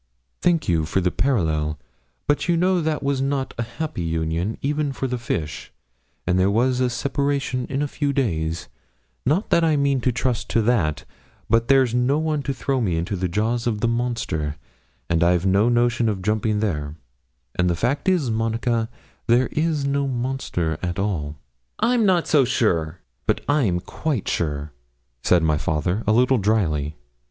'Thank you for the parallel, but you know that was not a happy union, even for the fish, and there was a separation in a few days; not that I mean to trust to that; but there's no one to throw me into the jaws of the monster, and I've no notion of jumping there; and the fact is, Monica, there's no monster at all.' 'I'm not so sure.' 'But I'm quite sure,' said my father, a little drily.